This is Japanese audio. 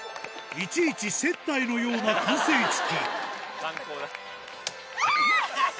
いちいち接待のような歓声付きゃー。